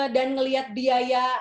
dan melihat biaya